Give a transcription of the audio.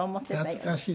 懐かしい。